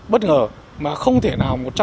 bất ngờ mà không thể nào